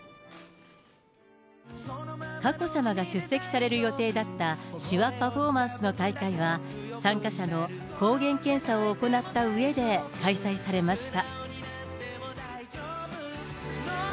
佳子さまが出席される予定だった手話パフォーマンスの大会は、参加者の抗原検査を行ったうえで開催されました。